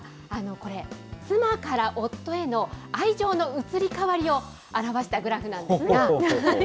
これ、妻から夫への愛情の移り変わりを表したグラフなんですが。